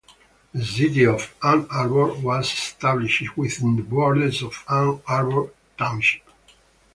The city of Ann Arbor was established within the borders of Ann Arbor Township.